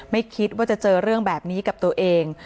ไม่คิดว่าจะเจอเรื่องแบบนี้กับตัวเอง